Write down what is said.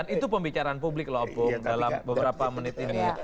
itu pembicaraan publik loh opung dalam beberapa menit ini